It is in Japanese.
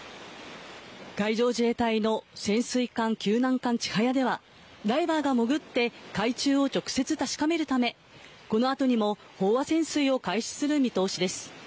海上自衛隊の潜水艦救難艦「ちはや」ではダイバーが潜って海中を直接、確かめるためこの後にも飽和潜水を開始する見通しです。